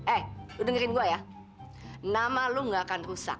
eh udah dengerin gue ya nama lo gak akan rusak